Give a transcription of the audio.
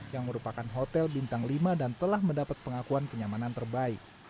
yang merupakan hotel bintang lima dan telah mendapat pengakuan kenyamanan terbaik